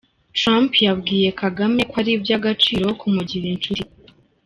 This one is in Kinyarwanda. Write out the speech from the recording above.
Trump yabwiye Kagame ko ari iby’agaciro ‘kumugira nk’inshuti’.